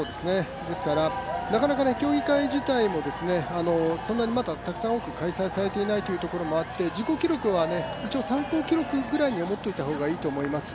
なかなか競技会自体もそんなにまだたくさん多く開催されていないということもあって自己記録は参考記録ぐらいには思っておいた方がいいと思います。